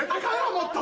もっと。